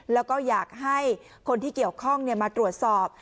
แล้วก็อยากให้คนที่เกี่ยวข้องมาตรวจสอบ